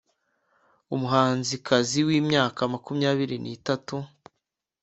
umuhanzikazi w’imyaka makumyabiri n’itatu,